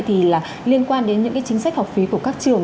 thì liên quan đến những cái chính sách học phí của các trường